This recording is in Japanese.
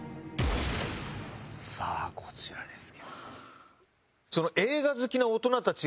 さあこちらですよ。